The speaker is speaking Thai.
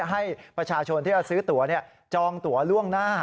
ให้ประชาชนที่จะซื้อตัวจองตัวล่วงหน้า